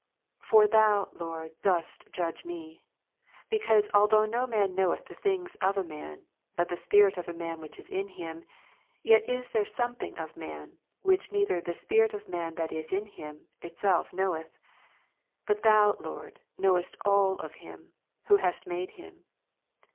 For Thou, Lord, dost judge me : because, although ib. no man knoweth the things of a man, but the spirit of a man 1 Cor. which is in him, yet is there something of man, which ' neither the spirit of man that is in him, itself knoweth. But Thou, Lord, knowest all of him. Who hast made him.